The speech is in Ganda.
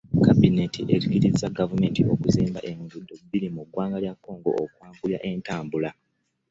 Kabinenti ekkirizza gavumenti okuzimba enguudo bbiri mu ggwanga lya Congo okwanguya entambula